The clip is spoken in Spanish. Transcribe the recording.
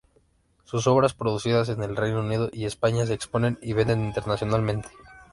Sus obras, producidas en el Reino Unido y España, se exponen y venden internacionalmente.